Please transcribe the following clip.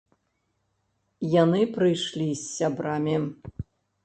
Яны прыйшлі з сябрамі.